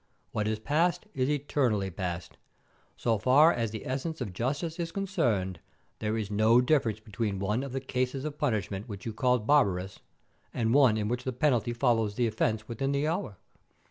What is past is eternally past. So far as the essence of justice is concerned, there is no difference between one of the cases of punishment which you called barbarous, and one in which the penalty follows the offence within the hour.